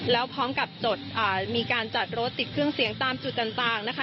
แล้วพร้อมกับจดมีการจัดรถติดเครื่องเสียงตามจุดต่างนะคะ